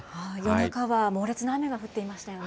夜中は猛烈な雨が降っていましたよね。